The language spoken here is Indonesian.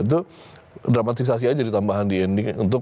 itu dramatisasi aja ditambahin di endingnya